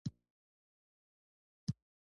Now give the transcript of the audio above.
اسمان شین دی لمر ځلیږی